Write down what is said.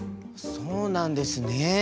そうなんですね。